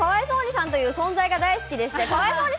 さんという存在が大好きでしてかわいそうに！